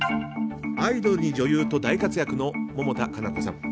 アイドルに女優と大活躍の百田夏菜子さん。